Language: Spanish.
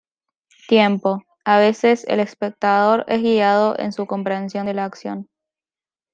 Tiempo: A veces el espectador es guiado en su comprensión de la acción.